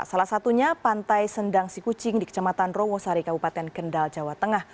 salah satunya pantai sendang sikucing di kecamatan rowosari kabupaten kendal jawa tengah